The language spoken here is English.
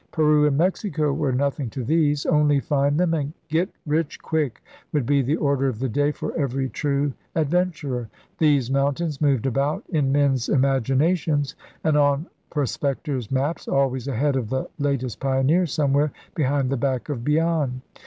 Peru and Mexico were nothing to these. Only find them, and 'get rich quick' would be the order of the day for every true adventurer. These mountains moved about in men's imaginations and on prospectors' maps, always ahead of the latest pioneer, somewhere behind the Back of Beyond.